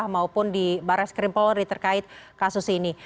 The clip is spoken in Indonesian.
maupun di barat skrimpolori terkait kasus ini